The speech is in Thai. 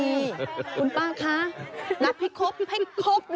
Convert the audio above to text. คุณป้าคะนับให้ครบเลย